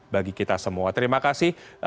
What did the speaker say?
bagi kita semua terima kasih